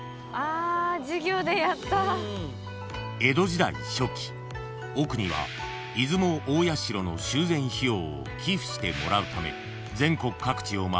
［江戸時代初期阿国は出雲大社の修繕費用を寄付してもらうため］